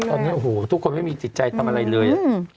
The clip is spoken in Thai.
ตอนนี้โอ้โหทุกคนไม่มีจิตใจทำอะไรเลย